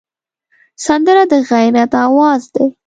سندره د غیرت آواز دی